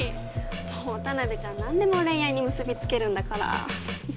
もう田辺ちゃん何でも恋愛に結び付けるんだから。